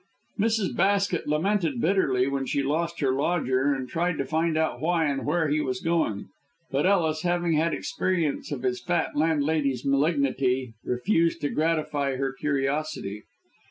Mrs. Basket lamented bitterly when she lost her lodger, and tried to find out why and where he was going. But Ellis, having had experience of his fat landlady's malignity, refused to gratify her curiosity.